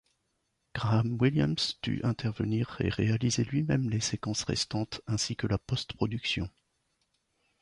Graham Williams dut intervenir et réaliser lui-même les séquences restantes ainsi que la post-production.